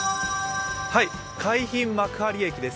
海浜幕張駅です。